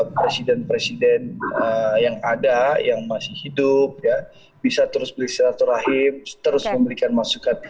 presiden presiden yang ada yang masih hidup ya bisa terus bersilaturahim terus memberikan masukan